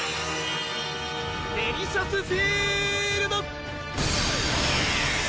デリシャスフィールド！